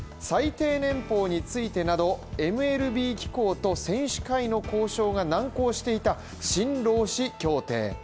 最低年俸についてなど、ＭＬＢ機構と選手会の交渉が難航していた、新労使協定。